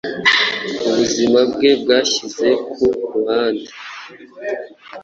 Ubuzima bwe bwashyize ku ruhande